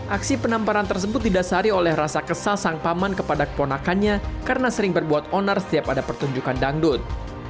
aksi penamparan tersebut didasari oleh rasa kesal sang paman kepada keponakannya karena sering berbuat onar setiap ada pertunjukan dangdut